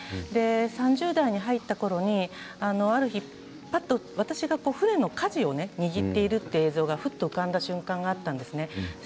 ３０代に入ったころにある日、ぱっと、私が船のかじを握っている映像が浮かんだ瞬間がありました。